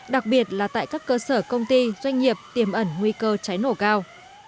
đặc biệt là tại các cơ sở công ty doanh nghiệp tiềm ẩn nguy cơ cháy nổ cao